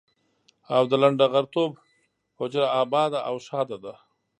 او د لنډه غرتوب حجره اباده او ښاده ده.